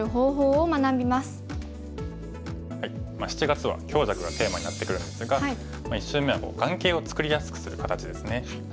７月は強弱がテーマになってくるんですが１週目は眼形を作りやすくする形ですね。